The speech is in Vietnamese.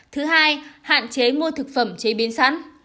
thứ hai hạn chế mua thực phẩm chế biến sẵn